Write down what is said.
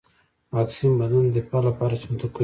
واکسین بدن د دفاع لپاره چمتو کوي